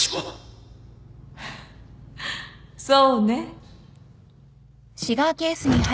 そうね